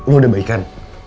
lo udah baikan